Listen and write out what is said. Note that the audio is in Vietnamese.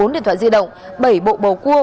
một mươi bốn điện thoại di động bảy bộ bầu cua